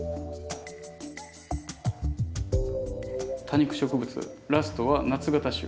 多肉植物ラストは夏型種。